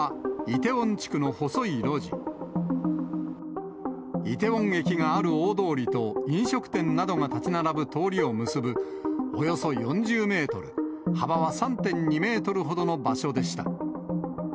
イテウォン駅がある大通りと飲食店などが建ち並ぶ通りを結ぶ、およそ４０メートル、幅は３．２メートルほどの場所でした。